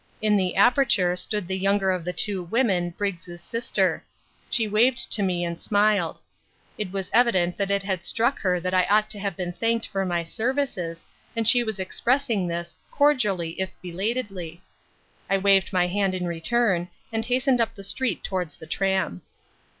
In the aperture stood the younger of the two women, Briggs's sister. She waved to me and smiled. It was evident that it had struck her that I ought to have been thanked for my services, and she was expressing this, cordially if belatedly. I waved my hand in return, and hastened up the street towards the tram.